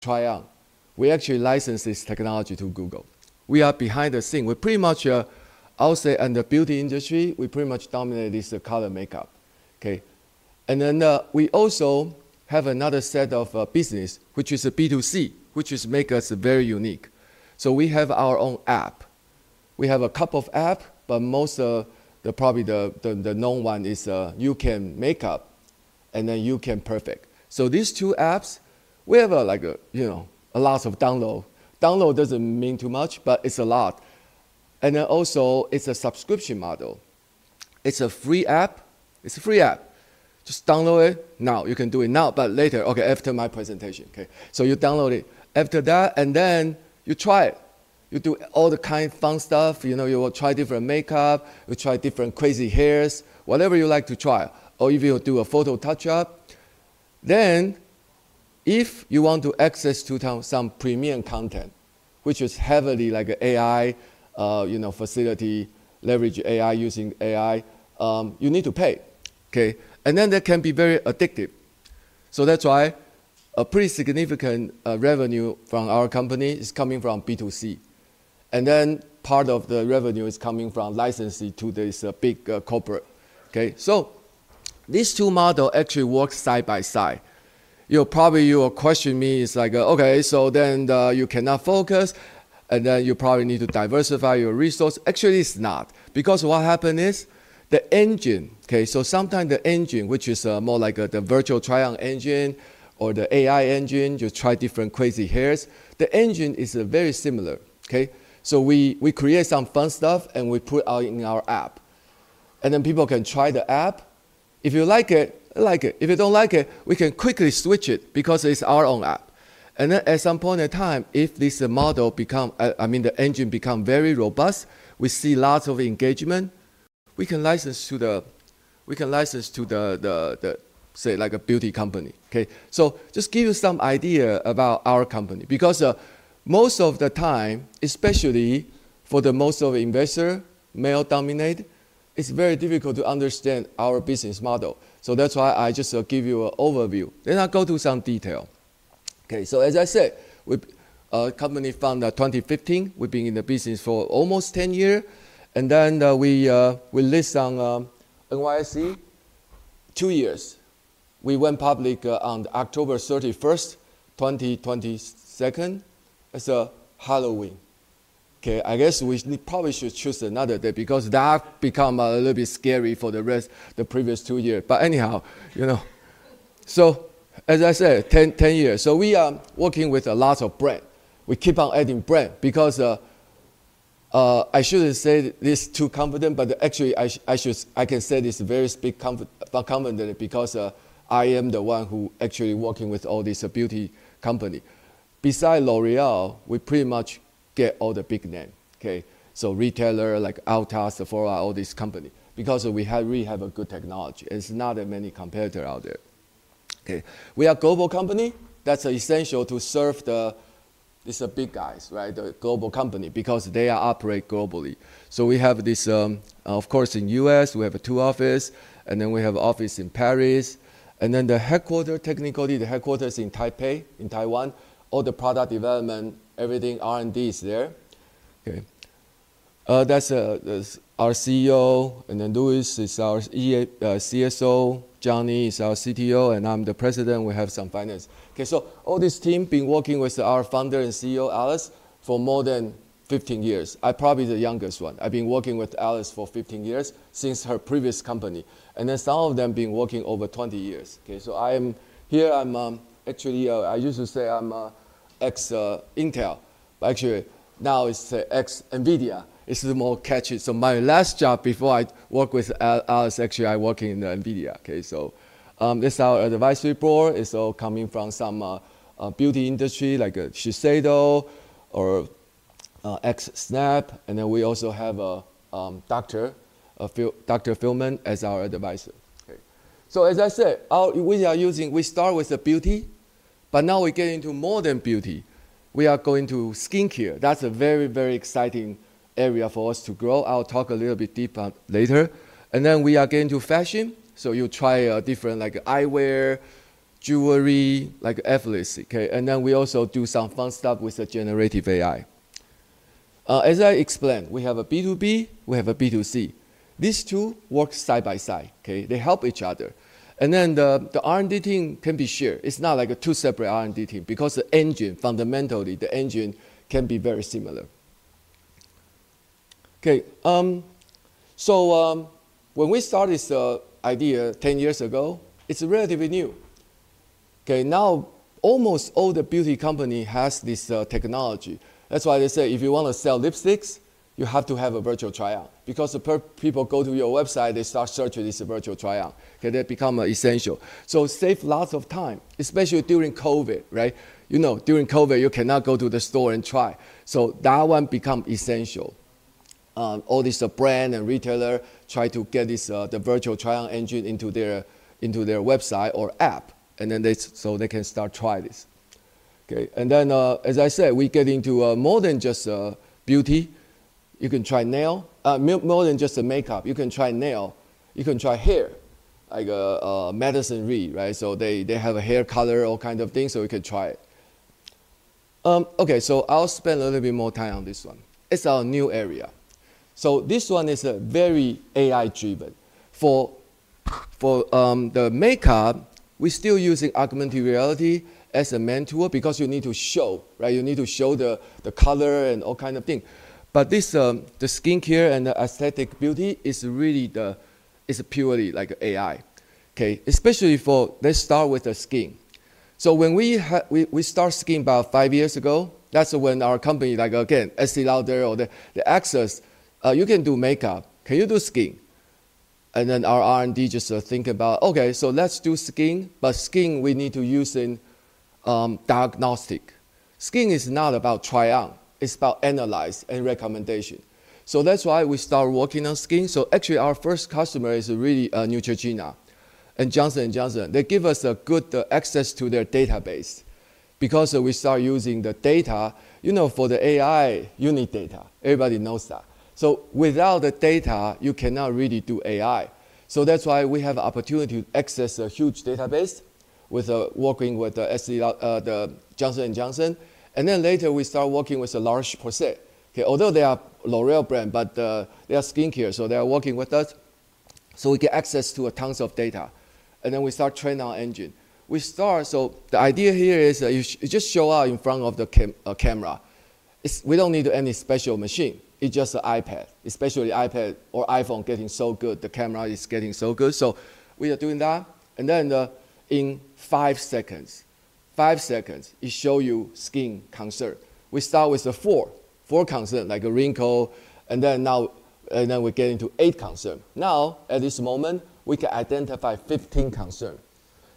Try out. We actually license this technology to Google. We are behind the scenes. We're pretty much, I'll say, in the beauty industry, we pretty much dominate this color makeup. And then we also have another set of business, which is B2C, which makes us very unique. So we have our own app. We have a couple of apps, but most of the, probably the known one is YouCam Makeup and then YouCam Perfect. So these two apps, we have a lot of downloads. Downloads doesn't mean too much, but it's a lot. And then also, it's a subscription model. It's a free app. It's a free app. Just download it now. You can do it now, but later, after my presentation. So you download it. After that, and then you try it. You do all the kind of fun stuff. You will try different makeup. You try different crazy hairs, whatever you like to try. Or if you do a photo touch-up. Then, if you want to access some premium content, which is heavily AI-facilitated, leveraging AI, using AI, you need to pay. And then that can be very addictive. So that's why a pretty significant revenue from our company is coming from B2C. And then part of the revenue is coming from licensing to this big corporate. So these two models actually work side by side. Probably you will question me, it's like, OK, so then you cannot focus, and then you probably need to diversify your resources. Actually, it's not. Because what happened is, the engine, so sometimes the engine, which is more like the virtual try-on engine or the AI engine, you try different crazy hairs, the engine is very similar. So we create some fun stuff, and we put it in our app. And then people can try the app. If you like it, like it. If you don't like it, we can quickly switch it because it's our own app. And then at some point in time, if this model becomes, I mean, the engine becomes very robust, we see lots of engagement, we can license to the, say, like a beauty company. So just give you some idea about our company. Because most of the time, especially for the most of investors, male-dominated, it's very difficult to understand our business model. So that's why I just give you an overview. Then I'll go to some detail. So as I said, the company founded in 2015. We've been in the business for almost 10 years. And then we list on NYSE, two years. We went public on October 31, 2022. It's Halloween. I guess we probably should choose another day because that becomes a little bit scary for the previous two years. But anyhow, so as I said, 10 years. So we are working with a lot of brands. We keep on adding brands because I shouldn't say this too confident, but actually, I can say this very confidently because I am the one who actually is working with all these beauty companies. Besides L'Oréal, we pretty much get all the big names. So retailers like Ulta, Sephora, all these companies. Because we really have a good technology. There's not that many competitors out there. We are a global company. That's essential to serve the, these are big guys, the global company, because they operate globally. So we have this, of course, in the US, we have two offices. And then we have an office in Paris. And then the headquarters, technically, the headquarters is in Taipei, in Taiwan. All the product development, everything, R&D is there. That's our CEO. And then Louis is our CSO. Johnny is our CTO. And I'm the President. We have some finance. So all this team has been working with our founder and CEO, Alice, for more than 15 years. I'm probably the youngest one. I've been working with Alice for 15 years since her previous company. And then some of them have been working over 20 years. So I am here. I'm actually. I used to say I'm ex-Intel. Actually, now it's ex-NVIDIA. It's a little more catchy. So my last job before I worked with Alice, actually, I worked in NVIDIA. So this is our advisory board. It's all coming from some beauty industry, like Shiseido or ex-Snap. And then we also have Dr. Feldman as our advisor. So as I said, we are using. We start with the beauty. But now we're getting into more than beauty. We are going to skincare. That's a very, very exciting area for us to grow. I'll talk a little bit deeper later. And then we are getting into fashion. So you try different, like eyewear, jewelry, like athletes. And then we also do some fun stuff with the generative AI. As I explained, we have a B2B. We have a B2C. These two work side by side. They help each other. And then the R&D team can be shared. It's not like two separate R&D teams. Because the engine, fundamentally, the engine can be very similar. So when we started this idea 10 years ago, it's relatively new. Now, almost all the beauty companies have this technology. That's why they say, if you want to sell lipsticks, you have to have a virtual try-on. Because people go to your website, they start searching this virtual try-on. That becomes essential. So it saves lots of time, especially during COVID. During COVID, you cannot go to the store and try. So that one becomes essential. All these brands and retailers try to get the virtual try-on engine into their website or app, so they can start trying this. And then, as I said, we get into more than just beauty. You can try nail. More than just makeup, you can try nail. You can try hair, like Madison Reed. So they have a hair color kind of thing, so you can try it. So I'll spend a little bit more time on this one. It's our new area. So this one is very AI-driven. For the makeup, we're still using augmented reality as a mentor because you need to show. You need to show the color and all kind of things, but the skincare and the aesthetic beauty is really purely like AI. Especially for, let's start with the skin, so when we started skin about five years ago, that's when our company, like again, Estée Lauder or the likes, you can do makeup. Can you do skin? And then our R&D just thinks about, OK, so let's do skin, but skin, we need to use in diagnostic. Skin is not about trial. It's about analyze and recommendation, so that's why we started working on skin. So actually, our first customer is really Neutrogena, and Johnson & Johnson, they give us good access to their database. Because we started using the data for the AI, you need data. Everybody knows that. So without the data, you cannot really do AI. So that's why we have the opportunity to access a huge database with working with Johnson & Johnson. And then later, we started working with La Roche-Posay. Although they are L'Oréal brand, but they are skincare. So they are working with us. So we get access to tons of data. And then we started training our engine. So the idea here is, you just show up in front of the camera. We don't need any special machine. It's just an iPad. Especially iPad or iPhone getting so good. The camera is getting so good. So we are doing that. And then in five seconds, five seconds, it shows you skin concern. We start with four concerns, like a wrinkle. And then we get into eight concerns. Now, at this moment, we can identify 15 concerns.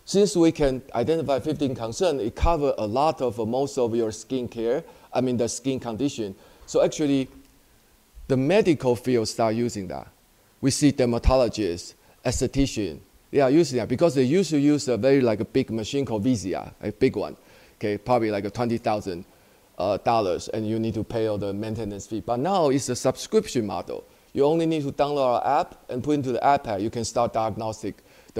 Since we can identify 15 concerns, it covers a lot of most of your skincare, I mean, the skin condition. So actually, the medical field started using that. We see dermatologists, aestheticians, they are using that. Because they used to use a very big machine called VISIA, a big one, probably like $20,000, and you need to pay all the maintenance fee, but now it's a subscription model. You only need to download our app and put it into the iPad. You can start diagnostic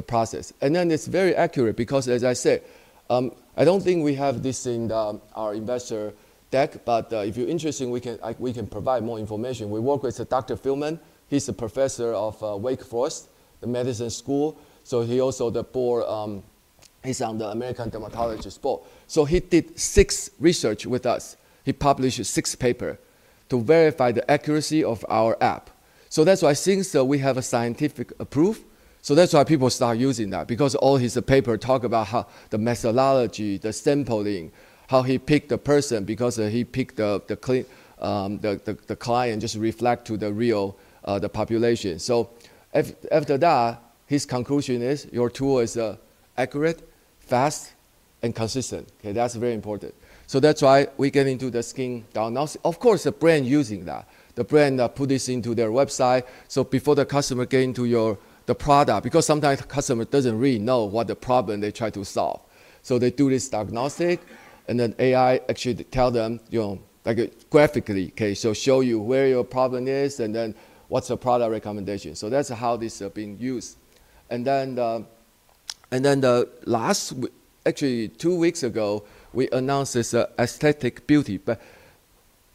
process, and then it's very accurate. Because as I said, I don't think we have this in our investor deck. But if you're interested, we can provide more information. We work with Dr. Feldman. He's a professor of Wake Forest, the medical school. So he's also on the American Board of Dermatology. So he did six research with us. He published six papers to verify the accuracy of our app so that's why since we have a scientific proof, so that's why people started using that. Because all his papers talk about the methodology, the sampling, how he picked the person. Because he picked the client just to reflect the real population so after that, his conclusion is your tool is accurate, fast, and consistent. That's very important so that's why we get into the skin diagnostic. Of course, the brand using that. The brand puts this into their website so before the customer gets into the product, because sometimes the customer doesn't really know what the problem they're trying to solve so they do this diagnostic and then AI actually tells them, like graphically, so show you where your problem is and then what's the product recommendation so that's how this is being used. And then last, actually, two weeks ago, we announced this aesthetic beauty. But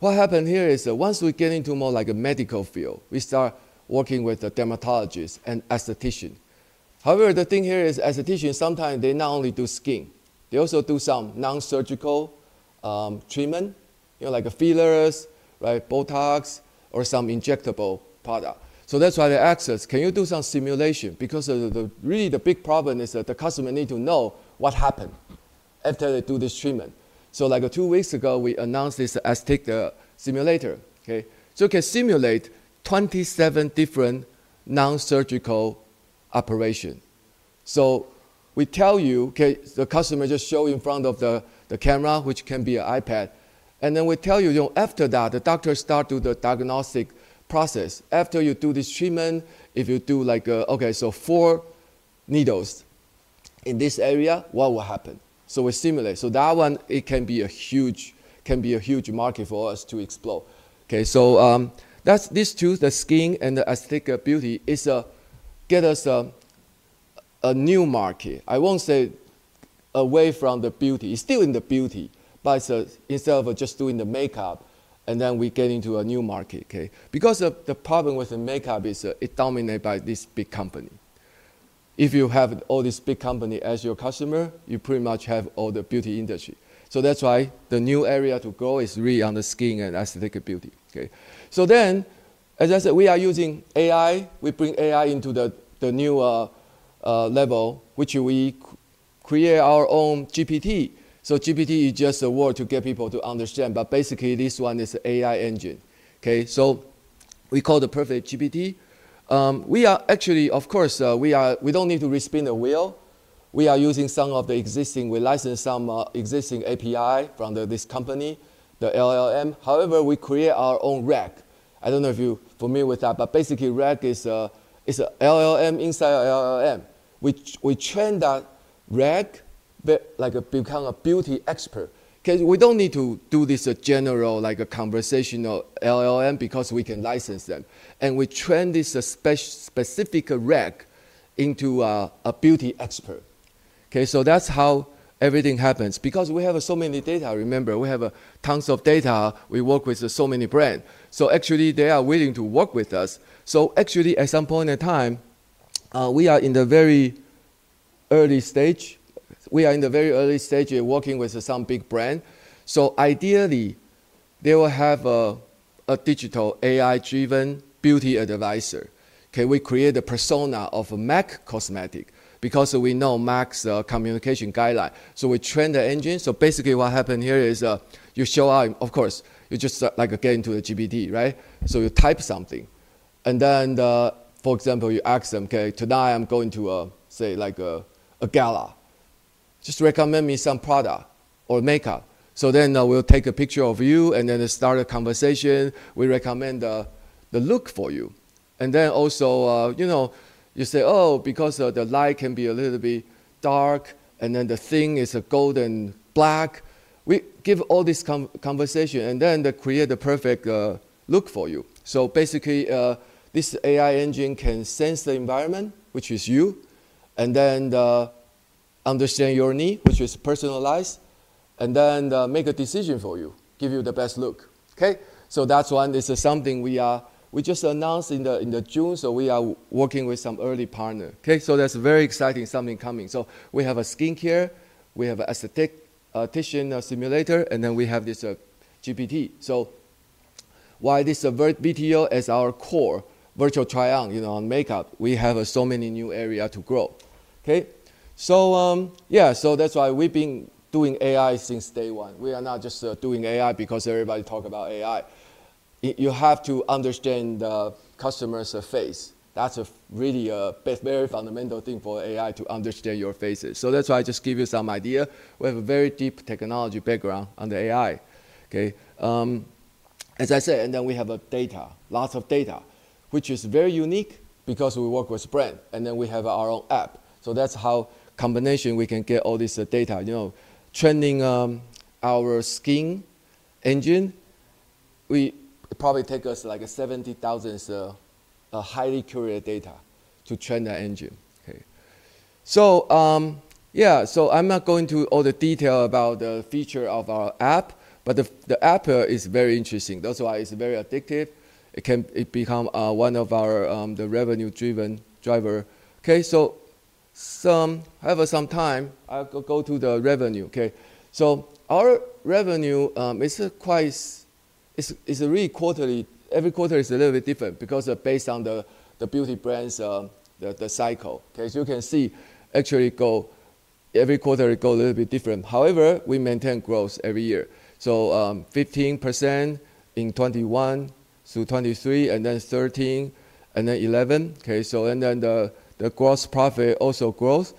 what happened here is, once we get into more like a medical field, we started working with the dermatologists and aestheticians. However, the thing here is, aestheticians sometimes not only do skin. They also do some non-surgical treatment, like fillers, Botox, or some injectable product. So that's why aesthetics can do some simulation. Because really, the big problem is that the customer needs to know what happened after they do this treatment. So like two weeks ago, we announced this Aesthetic Simulator. So it can simulate 27 different non-surgical operations. So we tell you, the customer just shows in front of the camera, which can be an iPad. And then we tell you, after that, the doctor starts to do the diagnostic process. After you do this treatment, if you do like OK so four needles in this area, what will happen? So we simulate. So that one, it can be a huge market for us to explore. So these two, the skin and the aesthetic beauty, get us a new market. I won't say away from the beauty. It's still in the beauty. But instead of just doing the makeup and then we get into a new market. Because the problem with the makeup is, it's dominated by this big company. If you have all these big companies as your customer, you pretty much have all the beauty industry. So that's why the new area to grow is really on the skin and aesthetic beauty. So then, as I said, we are using AI. We bring AI into the new level, which we create our own GPT. So GPT is just a word to get people to understand. But basically, this one is an AI engine. So we call it PerfectGPT. We are actually, of course, we don't need to re-spin the wheel. We are using some of the existing. We license some existing API from this company, the LLM. However, we create our own RAG. I don't know if you're familiar with that. But basically, RAG is an LLM inside of LLM. We train that RAG, like become a beauty expert. We don't need to do this general conversational LLM because we can license them. And we train this specific RAG into a beauty expert. So that's how everything happens. Because we have so many data, remember. We have tons of data. We work with so many brands. So actually, they are willing to work with us. So actually, at some point in time, we are in the very early stage. We are in the very early stage of working with some big brands. So ideally, they will have a digital AI-driven beauty advisor. We create a persona of M·A·C Cosmetics. Because we know M·A·C's communication guidelines. So we train the engine. So basically, what happened here is, you show up, of course, you just get into the GPT. So you type something. And then, for example, you ask them, OK, tonight I'm going to, say, like a gala. Just recommend me some product or makeup. So then we'll take a picture of you, and then start a conversation. We recommend the look for you. And then also, you say, oh, because the light can be a little bit dark, and then the thing is a golden black. We give all this conversation, and then they create the perfect look for you. So basically, this AI engine can sense the environment, which is you, and then understand your need, which is personalized. And then make a decision for you, give you the best look. So that's why this is something we just announced in June. So we are working with some early partners. So that's a very exciting something coming. So we have a skincare. We have an Aesthetic Simulator. And then we have this GPT. So while this B2C is our core virtual try-on on makeup, we have so many new areas to grow. So yeah, so that's why we've been doing AI since day one. We are not just doing AI because everybody talks about AI. You have to understand the customer's face. That's really a very fundamental thing for AI to understand your faces. So that's why I just give you some idea. We have a very deep technology background on the AI. As I said, and then we have data, lots of data, which is very unique because we work with brands. And then we have our own app. So that's how combination we can get all this data. Training our skin engine, it probably takes us like 70,000 highly curated data to train the engine. So yeah, so I'm not going to all the detail about the feature of our app. But the app is very interesting. That's why it's very addictive. It can become one of our revenue-driven drivers. So however, some time, I'll go to the revenue. So our revenue is quite, it's really quarterly. Every quarter is a little bit different because based on the beauty brand's cycle. So you can see, actually, every quarter it goes a little bit different. However, we maintain growth every year. So 15% in 2021 through 2023, and then 13%, and then 11%. And then the gross profit also grows.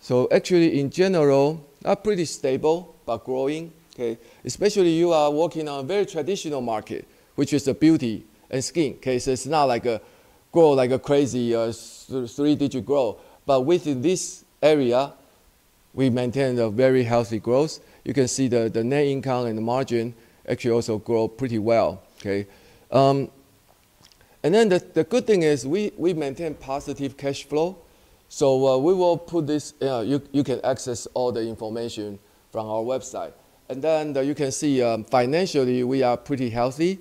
So actually, in general, not pretty stable, but growing. Especially you are working on a very traditional market, which is the beauty and skin. So it's not like grow like a crazy three-digit growth. But within this area, we maintain a very healthy growth. You can see the net income and the margin actually also grow pretty well. And then the good thing is, we maintain positive cash flow. So we will put this, you can access all the information from our website. And then you can see, financially, we are pretty healthy.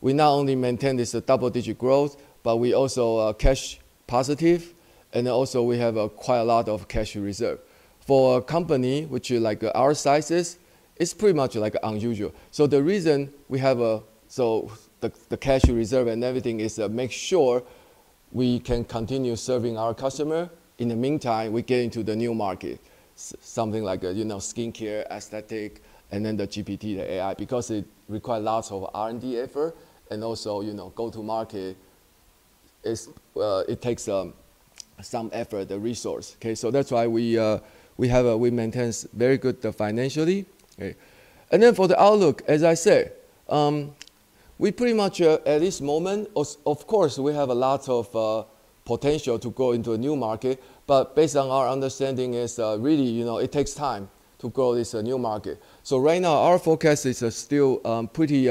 We not only maintain this double-digit growth, but we also are cash positive. And also, we have quite a lot of cash reserve. For a company which is like our sizes, it's pretty much like unusual. So the reason we have the cash reserve and everything is to make sure we can continue serving our customer. In the meantime, we get into the new market, something like skincare, aesthetic, and then the GPT, the AI. Because it requires lots of R&D effort. And also, go-to-market, it takes some effort, the resource. So that's why we maintain very good financially. And then for the outlook, as I said, we pretty much, at this moment, of course, we have a lot of potential to go into a new market. But based on our understanding, it's really, it takes time to grow this new market. So right now, our forecast is still pretty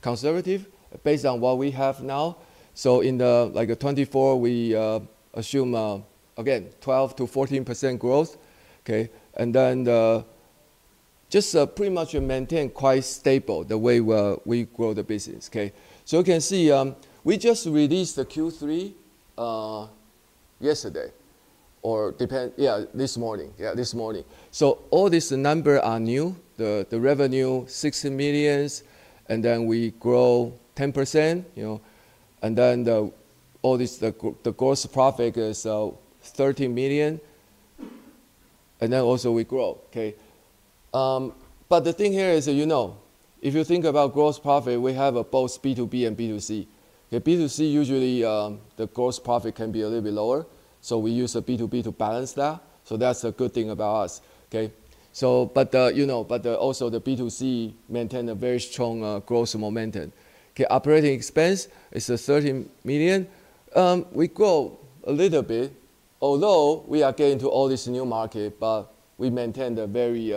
conservative based on what we have now. So in 2024, we assume, again, 12%-14% growth. And then just pretty much maintain quite stable the way we grow the business. So you can see, we just released the Q3 yesterday, or yeah, this morning. Yeah, this morning. So all these numbers are new. The revenue, $6 million. And then we grow 10%. And then all this, the gross profit is $30 million. And then also, we grow. But the thing here is, if you think about gross profit, we have both B2B and B2C. B2C, usually, the gross profit can be a little bit lower. So we use B2B to balance that. So that's a good thing about us. But also, the B2C maintained a very strong growth momentum. Operating expense is $30 million. We grow a little bit. Although we are getting to all this new market, but we maintain the very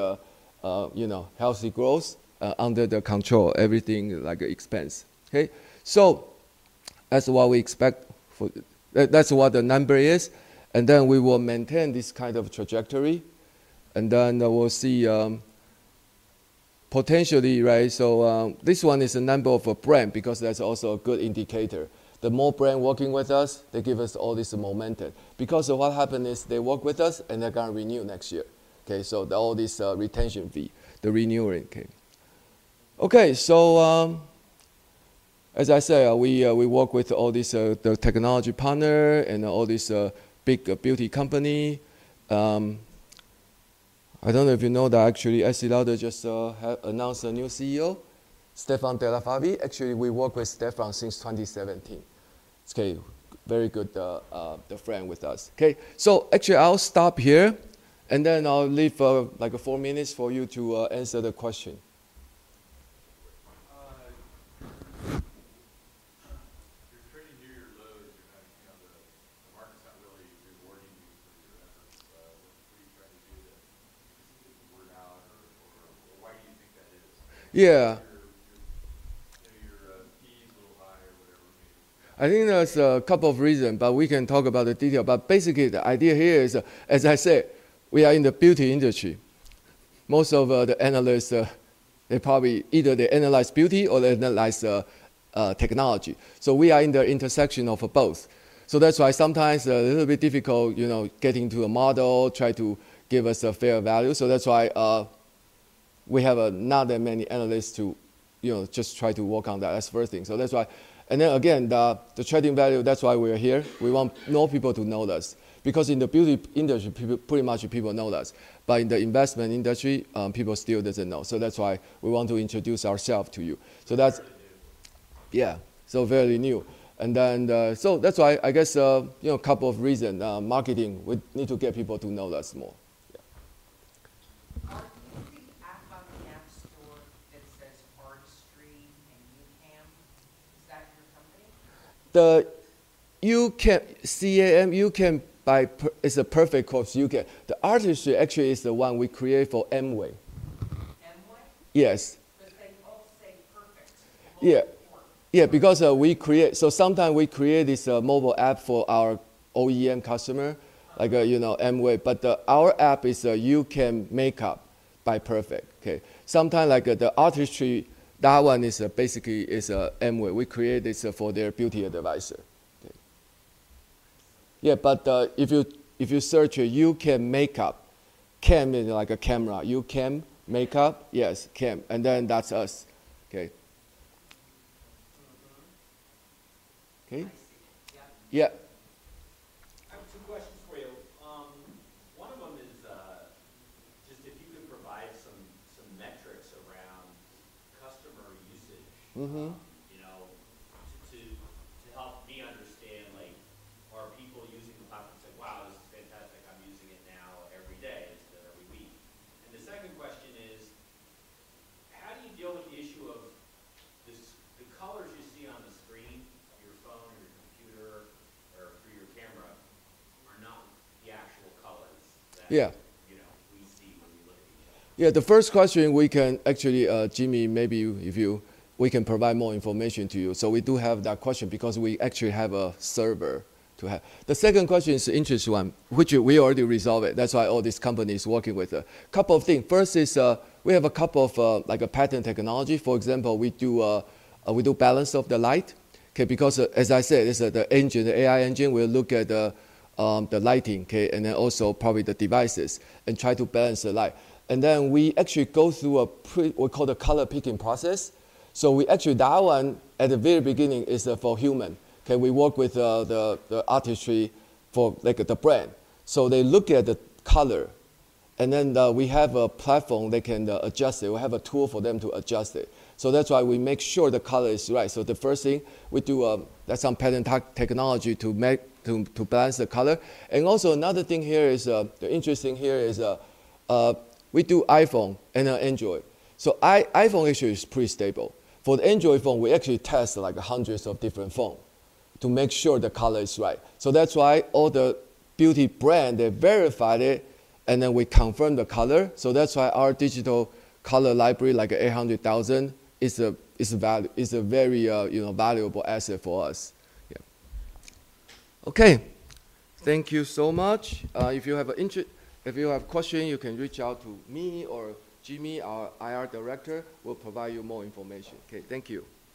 healthy growth under the control, everything like expense. So that's what we expect. That's what the number is. And then we will maintain this kind of trajectory. And then we'll see potentially, so this one is a number of a brand because that's also a good indicator. The more brands working with us, they give us all this momentum. Because what happens is, they work with us, and they're going to renew next year. So all this retention fee, the renewal. So as I said, we work with all these technology partners and all these big beauty companies. I don't know if you know that, actually, The Estée Lauder Companies just announced a new CEO, Stéphane de La Faverie. Actually, we worked with Stéphane since 2017. Very good friend with us. So actually, I'll stop here. And then I'll leave like four minutes for you to answer the question. You're trading near your low. The market's not really rewarding you for doing that. What are you trying to do to sort of work out? Or why do you think that is? Yeah. Your fee is a little high or whatever. I think there's a couple of reasons, but we can talk about the detail. But basically, the idea here is, as I said, we are in the beauty industry. Most of the analysts, they probably either analyze beauty or they analyze technology, so we are in the intersection of both. That's why sometimes it's a little bit difficult getting to a model, try to give us a fair value. That's why we have not that many analysts to just try to work on that. That's the first thing. And then again, the trading value, that's why we are here. We want more people to know us because in the beauty industry, pretty much people know us, but in the investment industry, people still don't know. That's why we want to introduce ourselves to you, so that's yeah, so very new. That's why, I guess, a couple of reasons. Marketing, we need to get people to know us more. Are you the app on the app store that says Artistry and YouCam? Is that your company? The YouCam, it's a Perfect Corp. The Artistry actually is the one we create for Amway. Amway? Yes. Because they all say perfect. Yeah. Because we create, so sometimes we create this mobile app for our OEM customer, like Amway. But our app is YouCam Makeup by Perfect. Sometimes like the Artistry, that one basically is Amway. We create this for their beauty advisor. Yeah, but if you search YouCam Makeup, CAM is like a camera. YouCam Makeup, yes, CAM. And then that's us. I have two questions for you. One of them is just if you could provide some metrics around customer usage to help me understand, are people using the platform and say, wow, this is fantastic, I'm using it now every day instead of every week? And the second question is, how do you deal with the issue of the colors you see on the screen of your phone or your computer or through your camera are not the actual colors that we see when we look at each other? Yeah, the first question, we can actually, Jimmy, maybe if you, we can provide more information to you. So we do have that question because we actually have a server to have. The second question is an interesting one, which we already resolved. That's why all these companies working with a couple of things. First is, we have a couple of patent technologies. For example, we do balance of the light. Because as I said, it's the engine, the AI engine. We look at the lighting and then also probably the devices and try to balance the light. And then we actually go through what we call the color picking process. So we actually, that one at the very beginning is for human. We work with the Artistry for the brand. So they look at the color. And then we have a platform they can adjust it. We have a tool for them to adjust it, so that's why we make sure the color is right. So the first thing, we do some patent technology to balance the color. And also another thing here is, the interesting here is we do iPhone and Android. So iPhone issue is pretty stable. For the Android phone, we actually test like hundreds of different phones to make sure the color is right. So that's why all the beauty brands, they verify it. And then we confirm the color. So that's why our digital color library, like 800,000, is a very valuable asset for us. Thank you so much. If you have questions, you can reach out to me or Jimmy, our IR director. We'll provide you more information. Thank you.